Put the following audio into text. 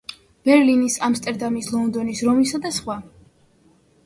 ბერლინის, ამსტერდამის, ლონდონის, რომისა და სხვა.